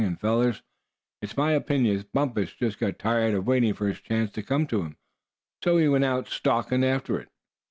And fellers, it's my opinion Bumpus just got tired of waiting for his chance to come to him, so he went out stalkin' after it."